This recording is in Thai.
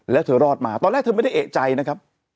แล้วเธอรอดมาตอนแรกเธอไม่ได้เอกใจนะครับ